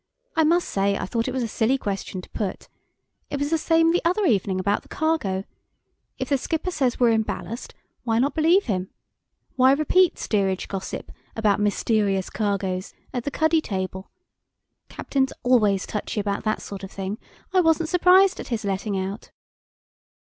I must say I thought it was a silly question to put. It was the same the other evening about the cargo. If the skipper says we're in ballast why not believe him? Why repeat steerage gossip, about mysterious cargoes, at the cuddy table? Captains are always touchy about that sort of thing. I wasn't surprised at his letting out."